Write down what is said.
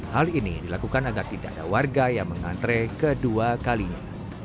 hal ini dilakukan agar tidak ada warga yang mengantre kedua kalinya